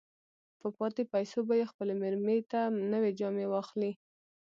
په پاتې پيسو به يې خپلې مېرمې ته نوې جامې واخلي.